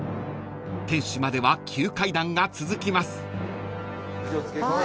［天守までは急階段が続きます］